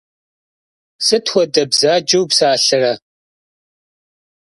Sıt xuede bzeç'e vupsalhere?